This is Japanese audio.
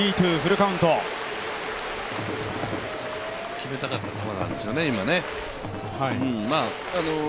決めたかった球なんですよね、今の。